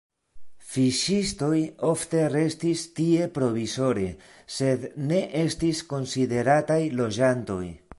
Fiŝistoj ofte restis tie provizore, sed ne estis konsiderataj loĝantoj.